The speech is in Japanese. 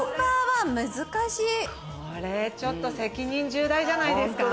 これちょっと責任重大じゃないですか？